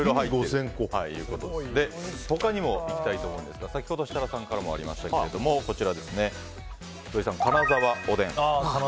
他にもいきたいと思うんですが先ほど設楽さんからもありましたが土井さん、金沢風おでん。